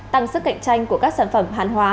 tăng sức cạnh tranh của các sản phẩm hàng hóa